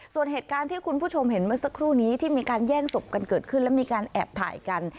ส่วนเหตุการณ์ที่คุณผู้ชมเห็นเมื่อสักครู่นี้ที่มีการแย่งศพกันเกิดขึ้นแล้วมีการแอบถ่ายกัน